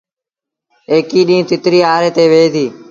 ايڪيٚ ڏيٚݩهݩ تتريٚ آري تي ويه ديٚ۔